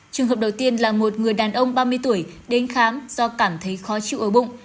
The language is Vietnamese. trường hợp đầu tiên là một người đàn ông ba mươi tuổi đến khám do cảm thấy khó chịu ở bụng